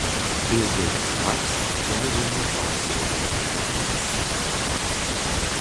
І ў той жа час яны вельмі важныя для ўсяго беларускага грамадства.